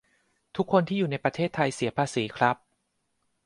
ทุกคนที่อยู่ในประเทศไทยเสียภาษีครับ